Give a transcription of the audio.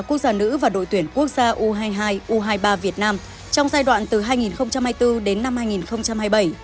quốc gia nữ và đội tuyển quốc gia u hai mươi hai u hai mươi ba việt nam trong giai đoạn từ hai nghìn hai mươi bốn đến năm hai nghìn hai mươi bảy